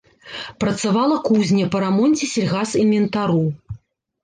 Працавала кузня па рамонце сельгасінвентару.